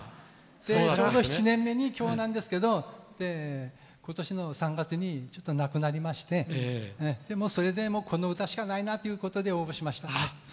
ちょうど７年目に、今日なんですけど今年の３月に亡くなりましてそれで、この歌しかないなということで応募しました。